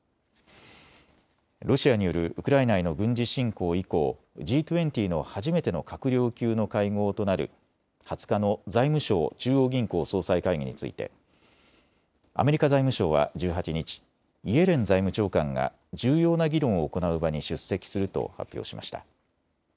ロシアによるウクライナへの軍事侵攻以降、Ｇ２０の初めての閣僚級の会合となる２０日の財務相・中央銀行総裁会議についてアメリカ財務省は１８日、イエレン財務長官が重要な議論を行う場に出席すると発表しました。